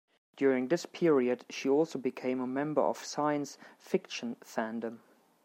During this period she also became a member of science fiction fandom.